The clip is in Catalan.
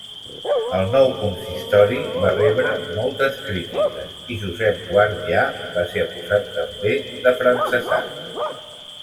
El nou consistori va rebre moltes crítiques, i Josep Guardià va ser acusat també d'afrancesat.